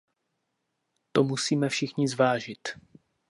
To musíme všichni zvážit.